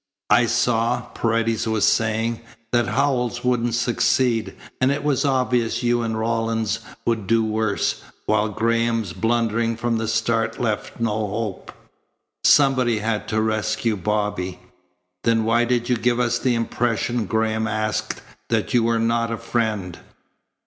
"I saw," Paredes was saying, "that Howells wouldn't succeed, and it was obvious you and Rawlins would do worse, while Graham's blundering from the start left no hope. Somebody had to rescue Bobby." "Then why did you give us the impression," Graham asked, "that you were not a friend?"